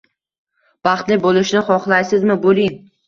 Baxtli bo'lishni xohlaysizmi - bo'ling!